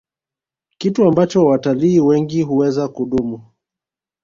kitu ambacho watalii wengi huweza kumudu